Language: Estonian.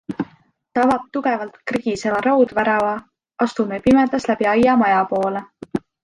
Ta avab tugevalt krigiseva raudvärava, astume pimedas läbi aia maja poole.